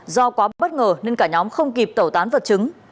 do quá bất ngờ nên cả nhóm không kịp tẩu tán vật chứng